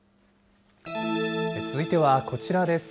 続いてはこちらです。